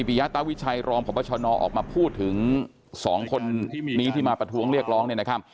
เจ้าสาวิชัยรองพบนออกมาพูดถึง๒คนนี้ที่มาประท้วงเรียกร้อง